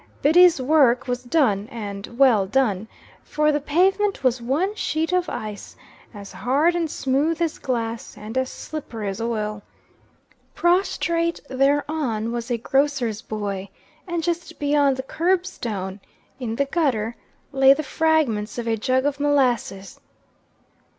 Biddy's work was done, and well done, for the pavement was one sheet of ice, as hard and smooth as glass, and as slippery as oil. Prostrate thereon was a grocer's boy, and just beyond the curb stone, in the gutter, lay the fragments of a jug of molasses.